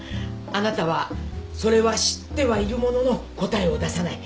あなたはそれは知ってはいるものの答えを出さない。